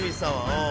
うん。